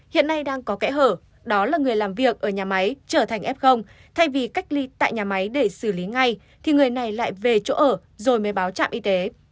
hiện nay đang có kẽ hở đó là người làm việc ở nhà máy trở thành f thay vì cách ly tại nhà máy để xử lý ngay thì người này lại về chỗ ở rồi mới báo trạm y tế